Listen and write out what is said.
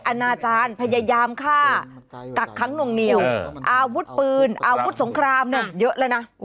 อาณาจารย์พยายามฆ่ากักค้างนวงเหนียวอาวุธปืนอาวุธสงครามหนึ่งเยอะแล้วนะ